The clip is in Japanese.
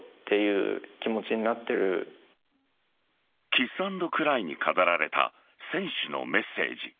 キスアンドクライに飾られた選手のメッセージ。